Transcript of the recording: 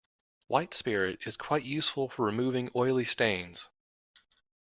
White spirit is quite useful for removing oily stains